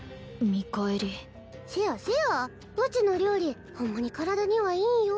見返りせやせやうちの料理ホンマに体にはいいんよ？